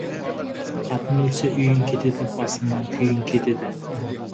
Қатын өлсе, үйің кетеді, басыңнан күйің кетеді.